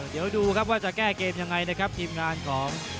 เดี๋ยวดูครับว่าจะแก้เกมยังไงนะครับทีมงานของ